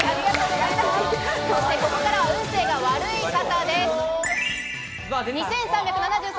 ここからは運勢が悪い方です。